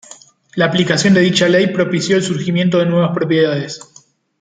La aplicación de dicha ley propició el surgimiento de nuevas propiedades.